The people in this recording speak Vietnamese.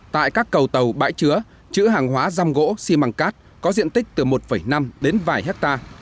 tại các cầu tàu bãi chứa chữ hàng hóa răm gỗ xi măng cát có diện tích từ một năm đến vài hectare